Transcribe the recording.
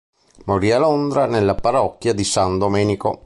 Morì a Londra, nella parrocchia di San Domenico.